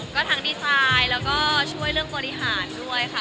ก็ทั้งดีไซน์แล้วก็ช่วยเรื่องบริหารด้วยค่ะ